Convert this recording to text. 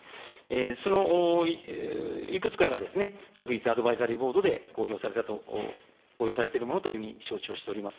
そのいくつかが、昨日、アドバイザリーボードで公表されているというふうに承知をしております。